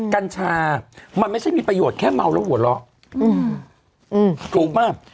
กัญชามันไม่ใช่มีประโยชน์แค่เมาแล้วหัวเราะถูกมาก